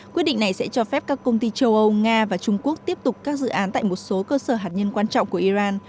quyết định này sẽ cho phép các công ty châu âu nga và trung quốc tiếp tục các dự án tại một số cơ sở hạt nhân quan trọng của iran